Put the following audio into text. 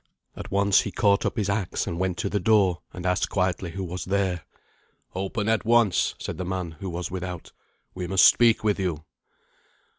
At once he caught up his axe and went to the door, and asked quietly who was there. "Open at once," said the man who was without; "we must speak with you."